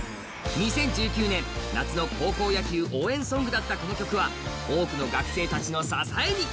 ２０１９年、夏の高校野球応援ソングだったこの曲は多くの学生たちの支えに。